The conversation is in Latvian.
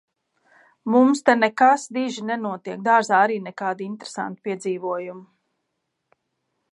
Mums te nekas diži nenotiek. Dārzā arī nekādi interesanti piedzīvojumi.